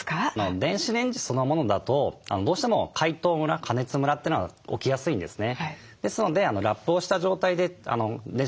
電子レンジそのものだとどうしても解凍ムラ加熱ムラというのが起きやすいんですね。